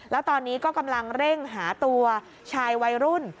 แล้วตอนนี้ก็กำลังเร่งหาตัวชายวัยรุ่น